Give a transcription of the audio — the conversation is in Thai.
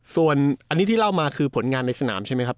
ส่วนอันนี้ที่เล่ามาคือผลงานในสนามใช่ไหมครับ